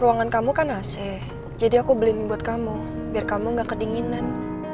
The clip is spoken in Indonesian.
ruangan kamu kan ac jadi aku beliin buat kamu biar kamu gak kedinginan